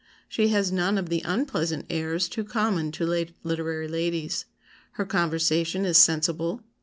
She has none of the unpleasant airs too common to literary ladies. Her conversation is sensible.